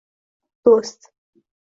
Do‘st!